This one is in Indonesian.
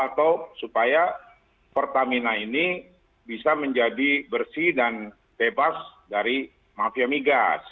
atau supaya pertamina ini bisa menjadi bersih dan bebas dari mafia migas